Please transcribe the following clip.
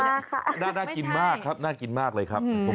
ขอบคุณมากค่ะไม่ใช่ครับหน้ากินมากเลยครับ